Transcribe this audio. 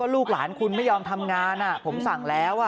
ลูกหลานคุณไม่ยอมทำงานผมสั่งแล้ว